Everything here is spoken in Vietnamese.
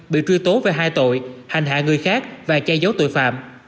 bị truy tố về hai tội hành hạ người khác và che giấu tội phạm